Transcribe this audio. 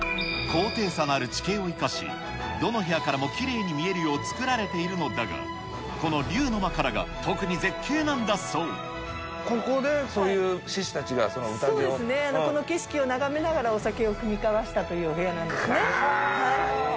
高低差のある地形を生かし、どの部屋からもきれいに見えるよう作られているのだが、この竜のここでそういう志士たちが、そうですね、この景色を眺めながらお酒をくみかわしたというお部屋なんですね。